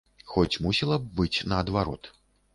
Хоць мусіла б быць наадварот.